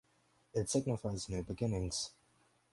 It signifies new beginnings.